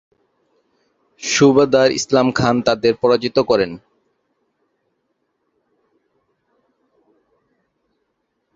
সুবাদার ইসলাম খান তাদের পরাজিত করেন।